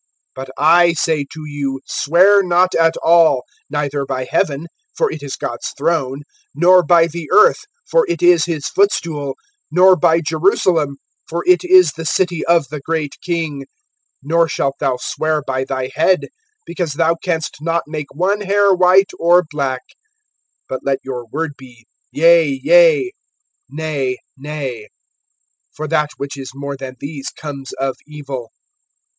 (34)But I say to you, swear not at all; neither by heaven, for it is God's throne; (35)nor by the earth, for it is his footstool; nor by Jerusalem, for it is the city of the great King. (36)Nor shalt thou swear by thy head; because thou canst not make one hair white or black. (37)But let your word be, Yea, yea, Nay, nay; for that which is more than these comes of evil.